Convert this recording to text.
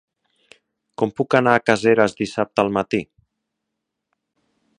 Com puc anar a Caseres dissabte al matí?